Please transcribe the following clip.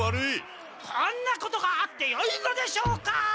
こんなことがあってよいのでしょうか！